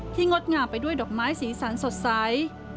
งดงามไปด้วยดอกไม้สีสันสดใส